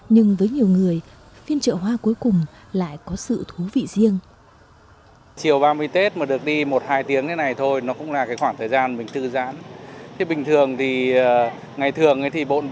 nhưng với nhiều người phiên chợ hoa cuối cùng lại có sự thú vị riêng